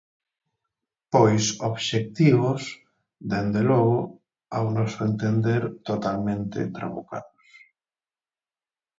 Pois obxectivos, dende logo, ao noso entender totalmente trabucados.